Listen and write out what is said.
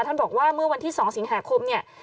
ท่านบอกว่าเมื่อวันที่๒สิงหาคมเนี่ย